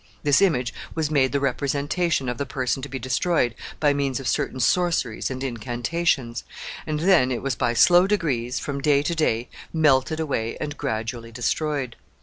This image was made the representation of the person to be destroyed by means of certain sorceries and incantations, and then it was by slow degrees, from day to day, melted away and gradually destroyed.